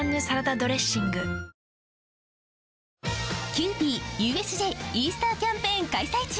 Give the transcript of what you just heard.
キユーピーＵＳＪイースターキャンペーン開催中！